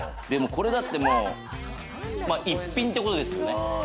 これだって、一品ってことですよね。